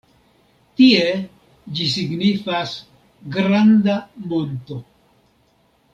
Tie ĝi signifas "granda monto".